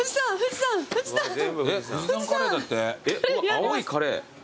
青いカレー。